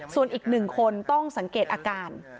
ส่วนอีก๑คนต้องสังเกตอาการ